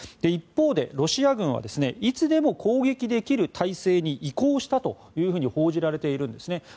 一方でロシア軍はいつでも攻撃できる態勢に移行したと報じられているんですね。